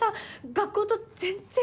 学校と全然違う。